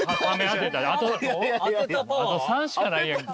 あと３しかないやんけ。